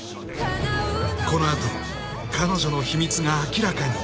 ［この後彼女の秘密が明らかに］